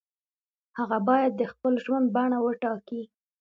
هغه باید د خپل ژوند بڼه وټاکي.